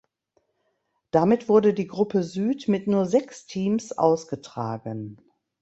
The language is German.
Damit wurde die Gruppe Süd mit nur sechs Teams ausgetragen.